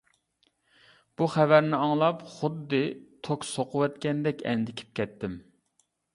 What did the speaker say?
بۇ خەۋەرنى ئاڭلاپ خۇددى توك سوقۇۋەتكەندەك ئەندىكىپ كەتتىم.